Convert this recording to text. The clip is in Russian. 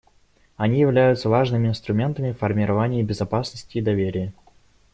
Они являются важными инструментами в формировании безопасности и доверия.